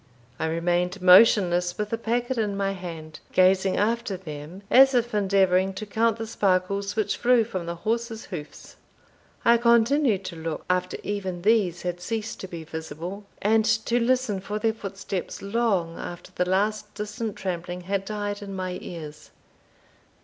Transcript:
I remained motionless with the packet in my hand, gazing after them, as if endeavouring to count the sparkles which flew from the horses' hoofs. I continued to look after even these had ceased to be visible, and to listen for their footsteps long after the last distant trampling had died in my ears.